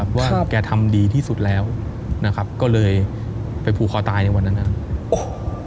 เพราะว่าแกทำดีที่สุดแล้วนะครับก็เลยไปผูกคอตายในวันนั้นนะครับโอ้โห